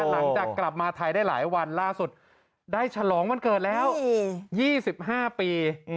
หลังจากกลับมาไทยได้หลายวันล่าสุดได้ฉลองวันเกิดแล้ว๒๕ปี